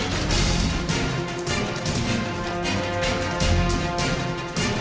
ใส่อีกส่วนของคุณแล้วเดี๋ยวไว้ตามนะครับ